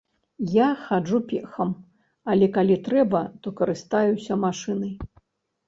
Я хаджу пехам, але калі трэба, то карыстаюся машынай.